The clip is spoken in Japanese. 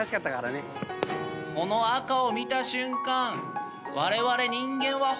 この赤を見た瞬間。